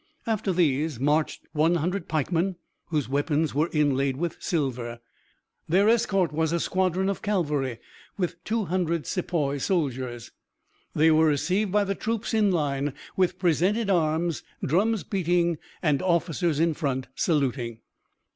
After these marched 100 pikemen, whose weapons were inlaid with silver. Their escort was a squadron of cavalry, with 200 sepoy soldiers. They were received by the troops in line, with presented arms, drums beating, and officers in front saluting."